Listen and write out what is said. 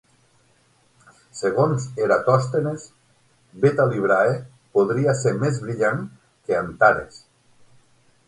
Segons Eratòstenes, Beta Librae podria ser més brillant que Antares.